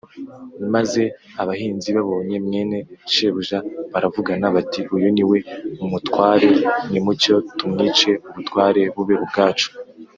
’ maze abahinzi babonye mwene shebuja baravugana bati, ‘uyu ni we mutware, nimucyo tumwice ubutware bube ubwacu